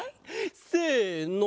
せの！